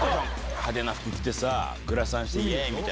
派手な服着てさ、グラサンして、いえーいみたいな。